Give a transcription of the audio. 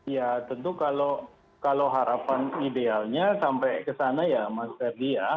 ya tentu kalau harapan idealnya sampai ke sana ya mas ferdi ya